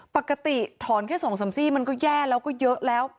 ปกติถอนแค่๒๓ซี่มันก็แย่แล้วก็เยอะแล้ว